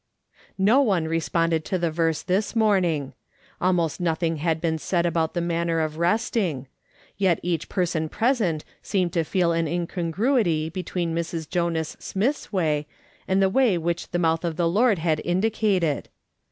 No one responded to the verse this morning. Almost nothing had been said about the manner of resting ; yet each person present seemed to feel an incongruity between Mrs. Jonas Smith's way and the way which the mouth of the Lord had indicated.